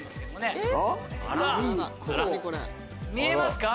見えますか？